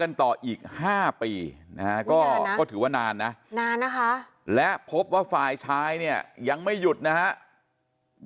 กันต่ออีก๕ปีก็ถือว่านานนะและพบว่าฝ่ายชายเนี่ยยังไม่หยุดนะครับ